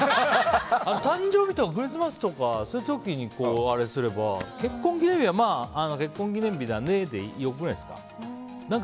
誕生日とかクリスマスとかそういう時にあれすれば結婚記念日はまあ、結婚記念日だねで良くないですか。